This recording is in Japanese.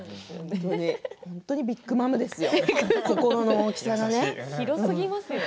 本当にビッグマムですよ